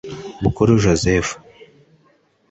Bukuru Joseph